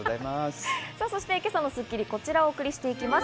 そして今朝の『スッキリ』こちらをお送りしていきます。